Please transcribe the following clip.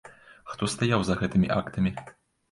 Хто стаяў за гэтымі актамі?